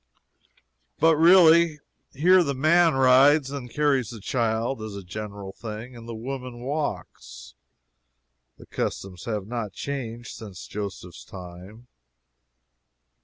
But really, here the man rides and carries the child, as a general thing, and the woman walks. The customs have not changed since Joseph's time.